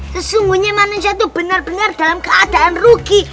sesungguhnya manusia itu benar benar dalam keadaan rugi